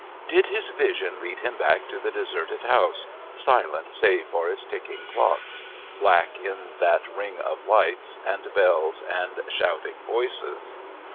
Did his vision lead him back to the deserted house, silent save for its ticking clocks, black in that ring of lights and bells and shouting voices?